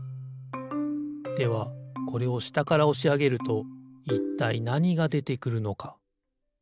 ではこれをしたからおしあげるといったいなにがでてくるのか？